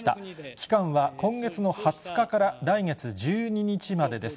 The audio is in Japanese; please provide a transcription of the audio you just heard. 期間は今月の２０日から来月１２日までです。